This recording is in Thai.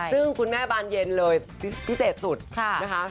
ซึ่งคุณแม่บานเย็นเลยพิเศษสุดนะคะ